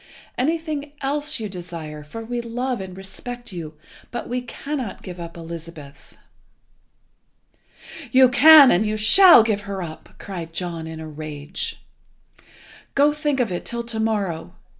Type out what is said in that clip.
Anything else you desire, for we love and respect you, but we cannot give up Elizabeth." "You can, and you shall, give her up!" cried John in a rage. "Go, think of it till to morrow.